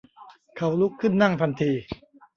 เขาลุกขึ้นนั่งทันที